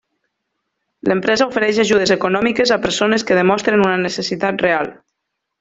L'empresa ofereix ajudes econòmiques a persones que demostren una necessitat real.